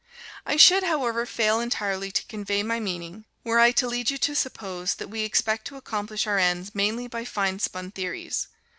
I should, however, fail entirely to convey my meaning, were I to lead you to suppose that we expect to accomplish our ends mainly by fine spun theories.